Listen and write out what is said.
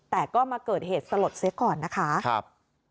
แต่ก็มาเกิดเหตุสลดเสียก่อนนะคะครับ